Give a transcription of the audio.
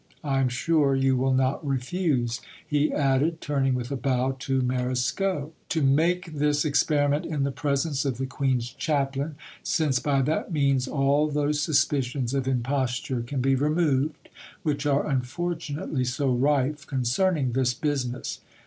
I am sure you will not refuse," he added, turning with a bow to Marescot, "to make this experiment in the presence of the queen's chaplain, since by that means all those suspicions of imposture can be removed which are unfortunately so rife concerning this business."